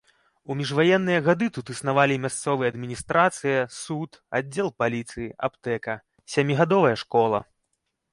У міжваенныя гады тут існавалі мясцовая адміністрацыя, суд, аддзел паліцыі, аптэка, сямігадовая школа.